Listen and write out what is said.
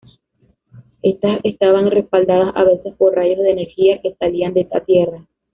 Estas estaban respaldadas a veces por rayos de energía que salían de la tierra.